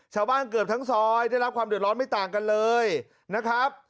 เกือบทั้งซอยได้รับความเดือดร้อนไม่ต่างกันเลยนะครับ